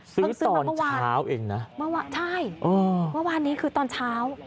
ซื้อตอนเช้าเองนะใช่เมื่อวานนี้คือตอนเช้า